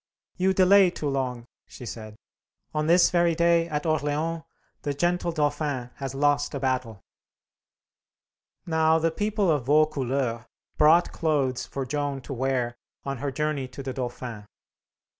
"You delay too long," she said. "On this very day, at Orleans, the gentle Dauphin has lost a battle." Now the people of Vaucouleurs brought clothes for Joan to wear on her journey to the Dauphin.